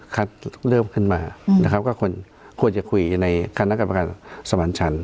คัดเลือกขึ้นมาก็ควรจะคุยในคณะกรรมการสมันต์ฉัน